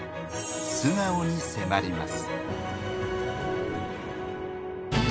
素顔に迫ります。